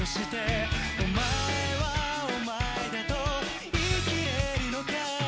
「お前はお前だと言いきれるのか？」